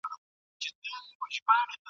افسرانو د انګرېزانو قبرونه نه وو ښخ کړي.